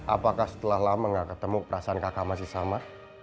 apakah setelah lama nggak ketemu perasaan kakak masih sama